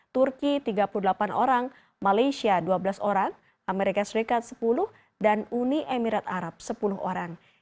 turki tiga puluh delapan orang malaysia dua belas orang amerika serikat sepuluh dan uni emirat arab sepuluh orang